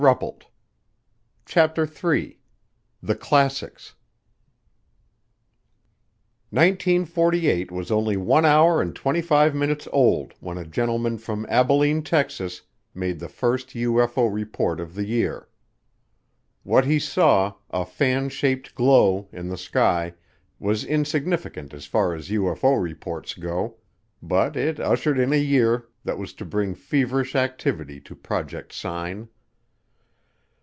Their comments formed the question mark. CHAPTER THREE The Classics 1948 was only one hour and twenty five minutes old when a gentleman from Abilene, Texas, made the first UFO report of the year. What he saw, "a fan shaped glow" in the sky, was insignificant as far as UFO reports go, but it ushered in a year that was to bring feverish activity to Project Sign.